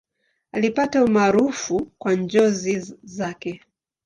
Alipata umaarufu kwa njozi zake.